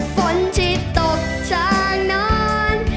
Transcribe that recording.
ฝนจิตตกช่างนอน